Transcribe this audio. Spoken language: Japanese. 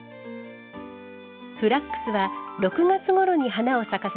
フラックスは６月ごろに花を咲かせます。